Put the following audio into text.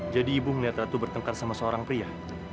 jadi ibu melihat ratu bertengkar sama seorang pria